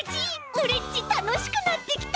オレっちたのしくなってきた！